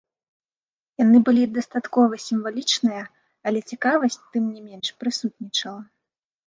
Яны былі дастаткова сімвалічныя, але цікавасць, тым не менш, прысутнічала.